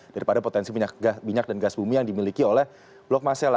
daripada potensi minyak dan gas bumi yang dimiliki oleh blok masela